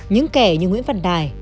những kẻ như nguyễn văn đài